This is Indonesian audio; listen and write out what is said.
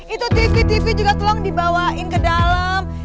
itu tv tv juga tolong dibawain ke dalam